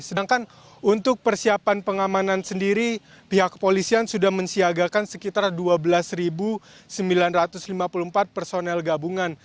sedangkan untuk persiapan pengamanan sendiri pihak kepolisian sudah mensiagakan sekitar dua belas sembilan ratus lima puluh empat personel gabungan